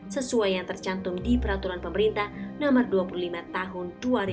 sesuai yang tercantum di peraturan pemerintah nomor dua puluh lima tahun dua ribu dua puluh